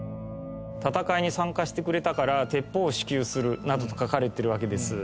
「戦いに参加してくれたから鉄砲を支給する」などと書かれてるわけです。